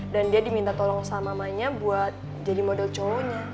dan dia diminta tolong sama mamanya buat jadi model cowonya